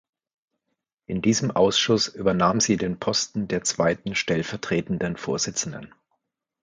In diesem Ausschuss übernahm sie den Posten der zweiten stellvertretenden Vorsitzenden.